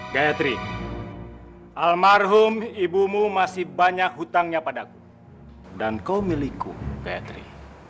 gatri almarhum ibumu masih banyak hutangnya padaku dan kau milikku gatheri